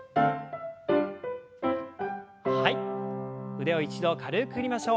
腕を一度軽く振りましょう。